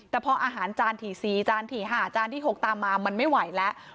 แต่พออาหารจานถี่๔จานถี่๕จานที่๖ตามมามันไม่ไหวแล้ว